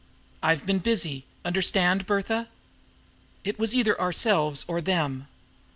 "I've been busy. Understand, Bertha? It was either ourselves, or them.